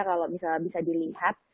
kalau misalnya bisa dilihat